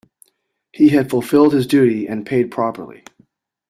He had fulfilled his duty and paid properly.